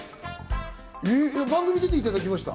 番組に出ていただきました？